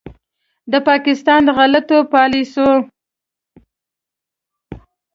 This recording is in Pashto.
د پاکستان د غلطو پالیسیو